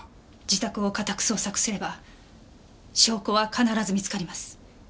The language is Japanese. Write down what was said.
自宅を家宅捜索すれば証拠は必ず見つかります。